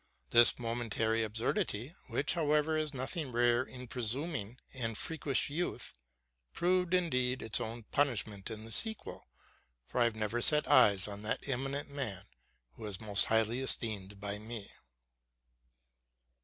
This momentary absurdity, which, however, is nothing rare in presuming and freakish youth, proved, indeed, its own punishment in the sequel; for I have never set eyes on that eminent man, who was most highly esteemed by me.